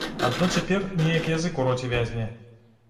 Адно цяпер неяк язык у роце вязне.